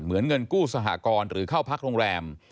เงินกู้สหกรณ์หรือเข้าพักโรงแรม